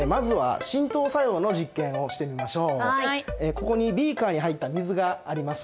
ここにビーカーに入った水があります。